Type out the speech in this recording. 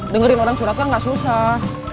dengerin orang curhat kan gak susah